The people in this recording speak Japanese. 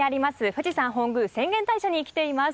富士山本宮浅間大社に来ています。